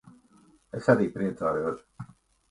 Es arī priecājos.